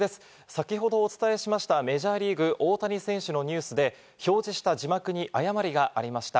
先ほどお伝えしましたメジャーリーグ大谷選手のニュースで表示した字幕に誤りがありました。